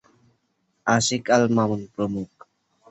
আশিক আল মামুন প্রমুখ।